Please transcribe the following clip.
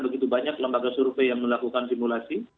begitu banyak lembaga survei yang melakukan simulasi